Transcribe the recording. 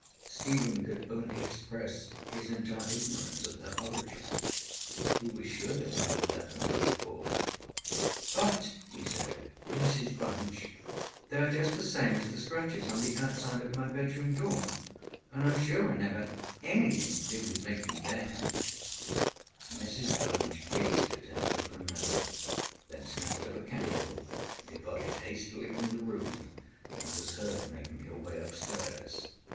Stephen could only express his entire ignorance of their origin: he was sure they were not there the night before. ŌĆ£But, ŌĆØ he said, ŌĆ£Mrs Bunch, they are just the same as the scratches on the outside of my bedroom door; and IŌĆÖm sure I never had anything to do with making them. ŌĆØ Mrs Bunch gazed at him open mouthed, then snatched up a candle, departed hastily from the room, and was heard making her way upstairs.